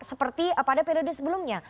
seperti pada periode sebelumnya